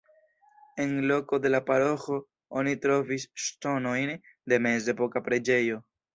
En loko de la paroĥo oni trovis ŝtonojn de mezepoka preĝejo.